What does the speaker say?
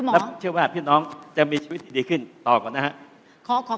และเชื่อว่าพี่น้องจะมีชีวิตดีขึ้นต่อก่อนนะฮะ